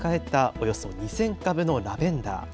およそ２０００株のラベンダー。